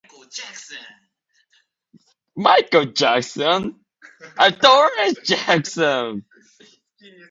The visitors to the surrounding countryside also contribute to the economy of the town.